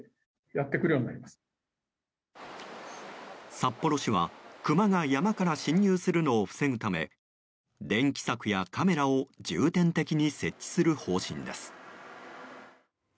札幌市は、クマが山から侵入するのを防ぐため電気柵やカメラを重点的に設置する方針です。